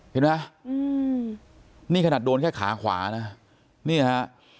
เห็นไหมนี่ขนาดโดนแค่ขาขวานะนี่ฮะ